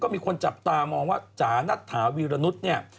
มีคนจับตามองว่าจ๋านัทถาวีรนุษย์เนี่ย